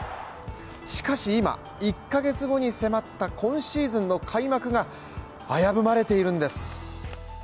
しかし今、１カ月後に迫った今シーズンの開幕が危ぶまれているんです。